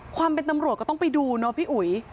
ความเป็นตำรวจก็ต้องไปดูเนาะพี่อุ๋ย